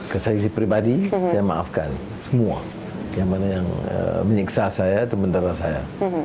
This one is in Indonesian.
kesayangan pribadi saya maafkan semua yang mana yang menyiksa saya atau menderah saya